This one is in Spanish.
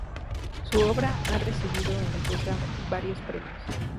Su obra ha recibido en Rusia varios premios.